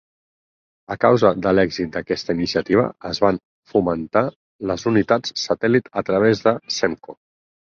A causa de l'èxit d'aquesta iniciativa, es van fomentar les unitats satèl·lit a través de Semco.